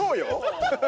ハハハハ！